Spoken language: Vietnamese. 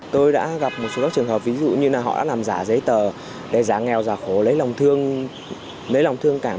tôi đã gặp một số các trường hợp ví dụ như là họ đã làm giả giấy tờ để giả nghèo giả khổ lấy lòng thương cảm